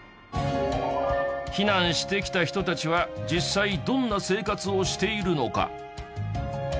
避難してきた人たちは実際どんな生活をしているのか？